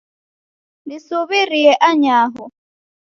Nisuw'irie anyaho